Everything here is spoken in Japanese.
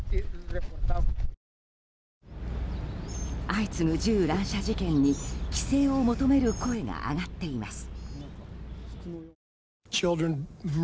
相次ぐ銃乱射事件に規制を求める声が上がっています。